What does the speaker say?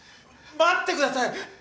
待ってください！